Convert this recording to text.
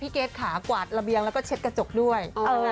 เกรทขากวาดระเบียงแล้วก็เช็ดกระจกด้วย